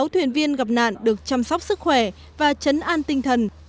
một mươi sáu thuyền viên gặp nạn được chăm sóc sức khỏe và chấn an tinh thần